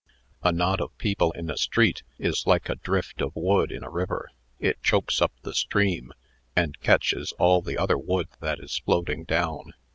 A knot of people in a street, is like a drift of wood in a river. It chokes up the stream, and catches all the other wood that is floating down.